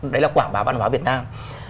đấy là quảng báo văn hóa việt nam